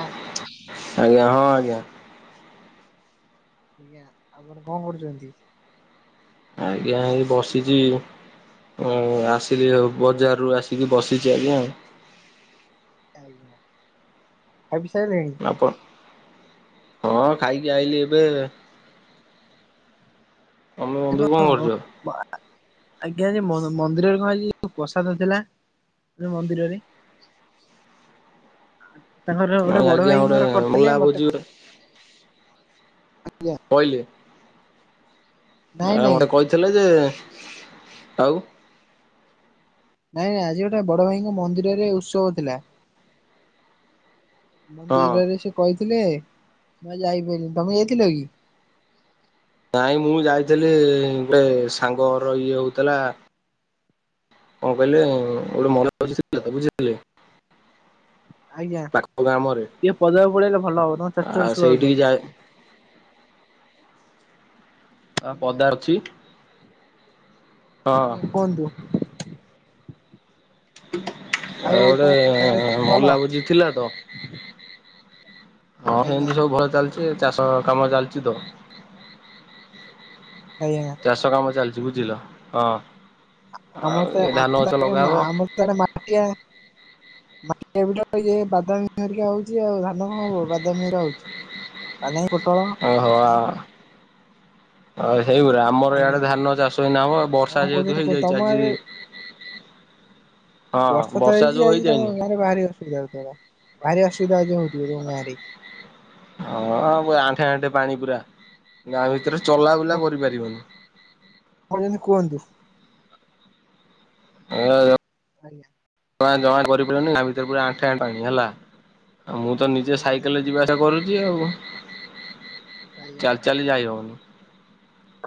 ଆ ଆଜ୍ଞା। ହଁ ଆଜ୍ଞା। ଆଜ୍ଞା। ଆପଣ କଣ କରୁଛନ୍ତି? ଆଜ୍ଞା, ଏଇ ବସିଛି। ହଁ ଆସିଲି ଆଉ। ବଜାରରୁୁ ଆସିକି ବସିଛି, ଆଜ୍ଞା। ଆଜ୍ଞା ଖାଇ ପି ସାଇଲେଣି? ଆପଣ ହଁ ଖାଇକି ଆଇଲିି ଏବେ। ତମେ ବନ୍ଧୁ କଣ ଆଜି କରୁଛ? କଣ ଆଜ୍ଞା ଆଜି ମ-ମନ୍ଦିରରେ କଣ ଆଜି ପ୍ରସାଦ ଥିଲା। ମନ୍ଦିରରେ [inaudible] ତାଙ୍କର ଗୋଟେ ନାଇଁ ବଡ ଆଜି ଆଉ ଗୋଟେ ଭାଇଙ୍କର କରିଥିଲେ ମେଲା ମତେ ହୋଉଚି ଗୋଟେ। କ‌ଇଲେ ନାଇଁ ଆଁ ନାଇଁ ମତେ କହିଥିଲେ ଯେ ଆଉ ନାଇଁ ଆଜି ଗୋଟେ ବଡ ଭାଇଙ୍କ ମନ୍ଦିରରେ ଉତ୍ସବ ଥିଲା। ହଁ ମନ୍ଦିରରେ ସେ କହିଥିଲେ, ମୁଁ ଆଜି ଯାଇ ପାଇଲିନି। ତମେ ଯାଇଥିଲ କି? ନାଇଁ ମୁଁ ଯାଇଥିଲି ଗୋଟେ ସାଙ୍ଗ ଘର ଇଏ ହୋଉଥିଲା। କଣ କହିଲେ ଗୋଟେ [unintelligible] ବୁଝିଲେ। ଆଜ୍ଞା ପାଖ ଗ୍ରାମରେ ଟିକେ ପଦାକୁ ପଳେଇଲେ ଭଲ ହବ ନହେଲେ ଚଡ୍ ଆଉ ଚଡ୍ ସୁବା ଯାଉଚି ସେଇଠିକି ଆଜ୍ଞା। ଯାଏ ହଁ ଆଜ୍ଞା ପଦା ଅଛି। ହଁ ଆଜ୍ଞା କହନ୍ତୁ। ଆଉ ଗୋଟେ ଭଲ ମଲା ଭୋଜି ଥିଲା ତ। ହଁ ଆଜ୍ଞା ସେମିତି ସବୁ ଭଲ ଚାଲିଚି। ଚାଷ କାମ ଚାଲିଚି ତ। ଆଜ୍ଞା। ଚାଷ କାମ ଚାଲିଚି ବୁଝିଲ ହଁ ଆଉ ଏ ଧାନ ଗଛ ଲଗା ହବ। ତା ପରେ [unintelligible] ମାଟିିଆ। ମାଟିଆ ବିଲ ଇଏ ବାଦାମୀ ହେରିକା ହୋଉଚି ଆଉ ଧାନ କଣ ହବ ବାଦାମୀ ହେରା ହୋଉଚି। ବାଦାମୀ, ପୋଟଳ ଓହୋ ଆ ଓ ସେଇଗୁୁରା। ଆମର ଆଜ୍ଞା ଇଆଡେ ଧାନ ଚାଷ ଏଇନା ହବ। ବର୍ଷା ଆଉ କଣ ଯେହେତୁ କହୁଛନ୍ତି ହେଇଯାଇଚି ତମ ଆଜି ଆଡେ ହଁ ବର୍ଷା ତ ହେଇଚି ଯୋଉ ହେଇଚି ତମ ହେଇଯାଇନି ଗାଁରେ ବାହାରି ଆସ। [unintelligible] ଭାରି ଅସୁବିଧା ହୋଉଚି [unintelligible] ତମ ଗାଁରେ। ହଁ ପା ଆଣ୍ଠେ ଆଣ୍ଠେ ପାଣି ପୁରା। ଗାଁ ଭିତରେ ଚଲାବୁଲା କରିପାରିବନି। ଆପଣ ଯେମିତି କୁହନ୍ତୁ। ଏଇପା ଯ [unintelligible] ଆଜ୍ଞା। ଜମା ଜମାଃ କରିପାରବନି ଗାଁ ଭିତରେ ପୁରା ଆଣ୍ଠେଏଁ ଆଣି ହେଲା ଆଉ ମୁଁ ତ ନିଜେ ଆଜ୍ଞା। ସାଇକେଲରେ ଯିବା ଚେଷ୍ଟା କରୁଚି ଆଉ ଆଜ୍ଞା ଚାଲି ଚାଲି ଯାଇ ହବନି।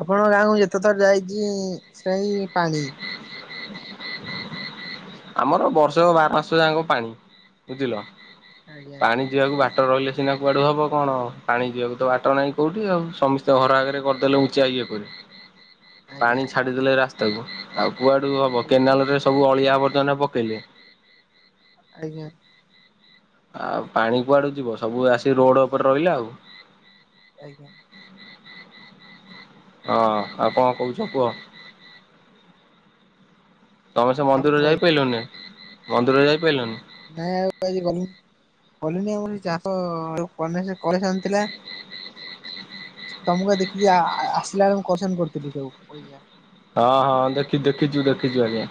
ଆପଣଙ୍କ ଗାଁକୁ ଯେତେ ଥର ଯାଇତି ସେଇ ପାଣି। [inaudible] ଆମର ବର୍ଷକ ବାର ମାସ ଯାଁକ ପାଣି ବୁଝିଲ। ଆଜ୍ଞା ପାଣି ଯିବାକୁ ବାଟ ରହିଲେ ସିନା କୁଆଡୁ ହବ କଣ? ପାଣି ଯିବାକୁ ତ ବାଟ ନାହିଁ କୋଉଠି ଆଉ ସମି ସେ ଘର ଆଗରେ କରିଦେଲେ ଉଚ୍ଚା ଇଏ କରି। ଆଜ୍ଞା ପାଣି ଛାଡିଦେଲେ ରାସ୍ତା କୁ ଆଉ କୁଆଡୁ ହବ ଆଜ୍ଞା କେନାଲରେ ସବୁ ଅଳିଆ ଆବର୍ଜନା ପକେଇଲେ। ଆଜ୍ଞା। ଆଉ ପାଣି କୁଆଡୁ ଯିବ ସବୁ ଆସିିକି ରୋଡ୍ ଉପରେ ରହିଲେ ଆଉ। ଆଜ୍ଞା। ହଁ ଆଉ କଣ କୋହୁଚ କୁହ। ତମେ ସେ ମନ୍ଦିର ଯାଇ ପାଇଲନି ମନ୍ଦିର ଯାଇ ପାଇଲନି। ନାଇଁ ଆଉ ଆଜି ଗନୁନି। କଲିନି ଆମ ସେ ଚାଷ କରିସାରିଥିଲା। ତମକୁ ଦେଖିକି ଆସିଲା ବେଳେ ମୁ କସନ କରିଥିଲି ସବୁ ପଇ ହଁ ହଁ ଦେଖି ଦେଖିଛୁ ଦେଖିଛୁ ଆଜ୍ଞା।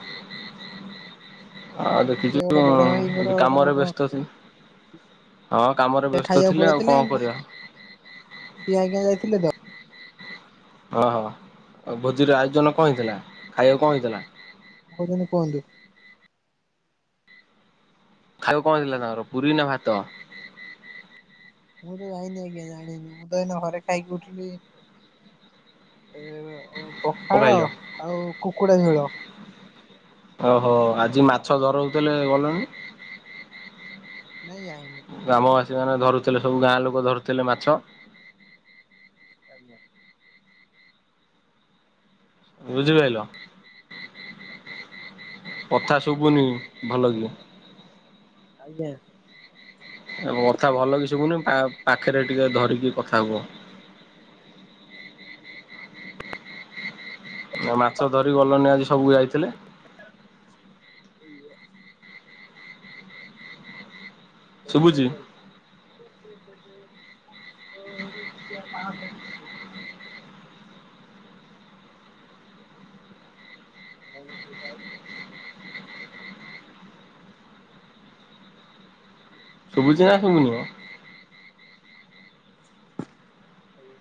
ଆଉ ଆଜ୍ଞା ସିଏ ଦେଖିଛୁ ଗୋଟେ ବଡ ଭାଇଙ୍କର ଏ କାମରେ ତାଙ୍କ ବ୍ୟସ୍ତଥିଲି। ହଁ କାମରେ ସେ ବ୍ୟସ୍ତ ଖାଇବାକୁ ଥିଲେ ଆଉ ପଳେଇଥିଲେ କଣ କରିବେ। ସିଏ ଆଜ୍ଞା ଯାଇଥିଲେ ତ। ଓହୋ ଆଉ ଭୋଜିର ଆୟୋଜନ କଣ ହେଇଥିଲା ଖାଇବାକୁ କଣ ହେଇଥିଲା? [unintelligible] କୁହନ୍ତୁ? ଖାଇବା କଣ ଥିଲା ତାଙ୍କର ପୁରୀ ନା ଭାତ? ମୁଁ ତ ଯାଇନି ଆଜ୍ଞା ଜାଣିନି ମୁଁ ତ ଏଇନା ଘରେ ଖାଇକି ଉଠିଲି। ଏ କଣ ପଖାଳ ଖାଇଲ? ଆଉ କୁକୁଡ଼ା ଝୋଳ। ଓହୋ ଆଜି ମାଛ ଧରଉଥିଲେ ଗଲଣି। ନାଇଁ ଯାଇନି। ଗ୍ରାମବାସୀ ମାନେ ଧରୁଥିଲେ ସବୁ ଗାଁ ଲୋକ ଧରୁଥିଲେ ମାଛ। ଆଜ୍ଞା। କୁହନ୍ତୁ ବୁଝିପାଇଲ କଥା ଶୁଭୁନି ଭଲ କି। ଆଜ୍ଞା। କଥା ଭଲ କି ଶୁଭୁନି ପାଖରେ ଟିକେ ଧରିକି କଥା ହୁଅ। ନା ମାଛ ଧରି ଗଲଣି ଆଜି ସବୁ ଯାଇଥିଲେ। [unintelligible] ଶୁଭୁଛି [unintelligible] [unintelligible] [unintelligible] ଶୁଭୁଛିି ନା ଶୁଭୁନି ମ? ଆଜ୍ଞା।